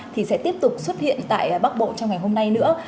thì sẽ tiếp tục xuất hiện tại bắc bộ trong ngày hôm nay nữa